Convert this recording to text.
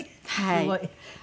すごい！